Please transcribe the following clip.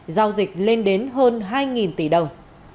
giao dịch lên đến hơn hai tỷ đồng